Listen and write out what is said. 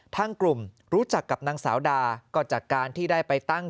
ทางกลุ่มรู้จักกับนางสาวดาก็จากการที่ได้ไปตั้ง